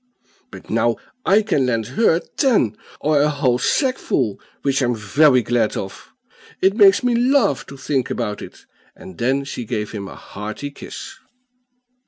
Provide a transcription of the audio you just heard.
But now I can lend her ten, or a whole sackful, which I'm very glad of; it makes me laugh to think about it;" and then she gave him a hearty kiss.